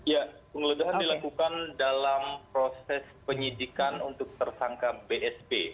ya penggeledahan dilakukan dalam proses penyidikan untuk tersangka bsp